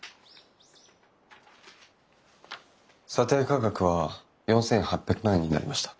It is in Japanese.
査定価格は４，８００万円になりました。